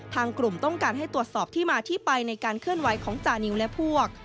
ทางกลุ่มต้องการให้ตรวจสอบที่มาที่ไปในการเคลื่อนไหวของจานิวและพวก